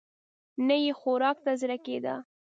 نه يې خوراک ته زړه کېده.